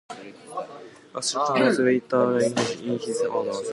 A scholarship was later inaugurated in his honor.